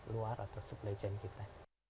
luar atau supply chain kita